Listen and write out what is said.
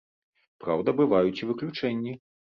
Праўда, бываюць і выключэнні.